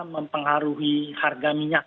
mempengaruhi harga minyak